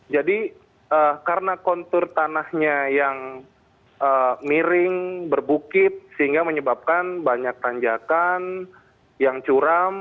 jadi karena kontur tanahnya yang miring berbukit sehingga menyebabkan banyak tanjakan yang curam